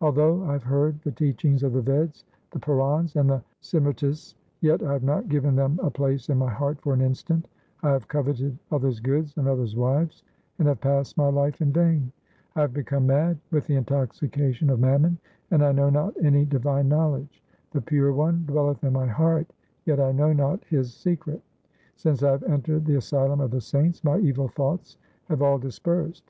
Although I have heard the teachings of the Veds, the Purans and the Simritis, yet I have not given them a place in my heart for an instant ; 1 have coveted others' goods and others' wives, and have passed my life in vain ; I have become mad with the intoxication of mammon, and I know not any divine knowledge ; The Pure One dwelleth in my heart, yet I know not His secret. Since I have entered the asylum of the Saints, 1 my evil thoughts have all dispersed.